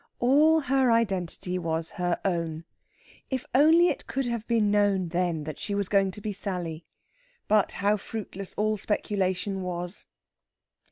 All her identity was her own. If only it could have been known then that she was going to be Sally!... But how fruitless all speculation was!